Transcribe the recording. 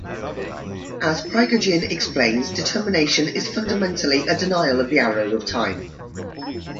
As Prigogine explains, determinism is fundamentally a denial of the arrow of time.